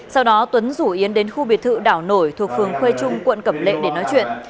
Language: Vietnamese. sau đó tuấn rủ yến đến khu biệt thự đảo nổi thuộc phường khuê trung quận cẩm lệ để nói chuyện